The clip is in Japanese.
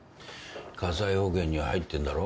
火災保険には入ってんだろ？